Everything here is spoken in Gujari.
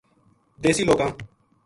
دیسی لوکاں